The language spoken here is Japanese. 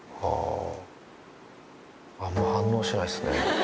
何も反応しないですね。